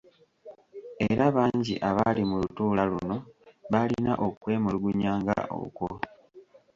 Era bangi abaali mu lutuula luno baalina okwemulugunya nga okwo.